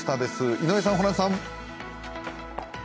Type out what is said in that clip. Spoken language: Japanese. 井上さん、ホランさん。